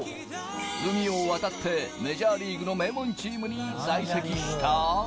海を渡って、メジャーリーグの名門チームに在籍した。